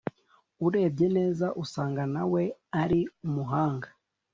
urebye neza usanga nawe ari umuhanga